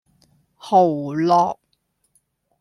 蚝烙